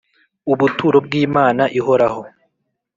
ubuturo bw’imana ihoraho